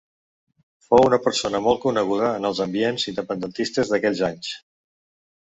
Fou una persona molt coneguda en els ambients independentistes d'aquells anys.